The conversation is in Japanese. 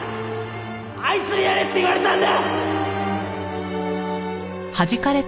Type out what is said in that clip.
あいつにやれって言われたんだ！